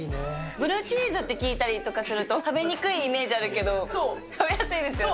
ブルーチーズって聞いたりとかすると、食べにくいイメージあるけど、食べやすいですよね。